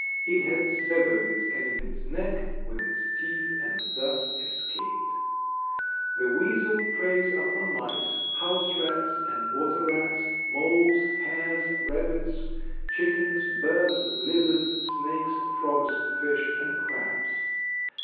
It had severed its enemy's neck with its teeth and thus escaped. The weasel preys upon mice, house rats and water rats, moles, hares, rabbits, chickens, birds, lizards, snakes, frogs, fish, and crabs.